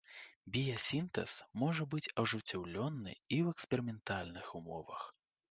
Біясінтэз можа быць ажыццёўлены і ў эксперыментальных умовах.